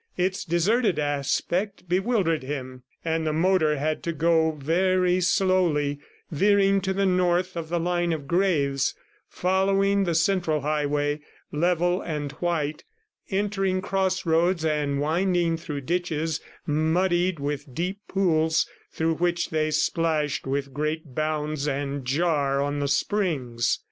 Its deserted aspect bewildered him ... and the motor had to go very slowly, veering to the north of the line of graves, following the central highway, level and white, entering crossroads and winding through ditches muddied with deep pools through which they splashed with great bounds and jar on the springs.